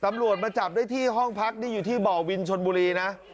ตำรวจมาจับได้ที่ห้องพักนี่อยู่ที่บ่อวินชนบุรีนะ